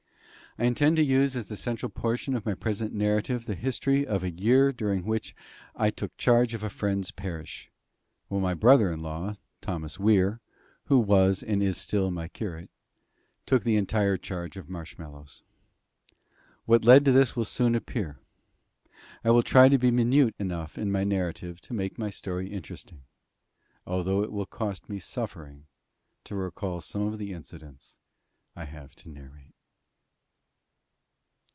I intend to use as the central portion of my present narrative the history of a year during part of which I took charge of a friend's parish, while my brother in law, Thomas Weir, who was and is still my curate, took the entire charge of Marshmallows. What led to this will soon appear. I will try to be minute enough in my narrative to make my story interesting, although it will cost me suffering to recall some of the incidents I have to narrate.